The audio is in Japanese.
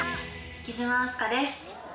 貴島明日香です。